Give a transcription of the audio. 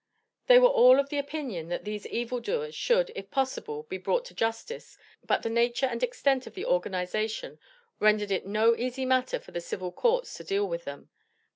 They were all of the opinion that these evil doers, should, if possible, be brought to justice; but the nature and extent of the organization rendered it no easy matter for the civil courts to deal with them.